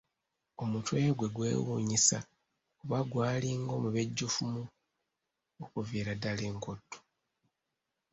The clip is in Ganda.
Omutwe gwe gwewuunyisa kuba gwalinga omubejjufumu okuviira ddala enkoto.